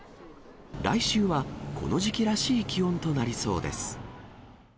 来週はこの時期らしい気温となりそうです。